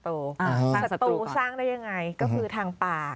สร้างสัตว์สร้างได้อย่างไรก็คือทางปาก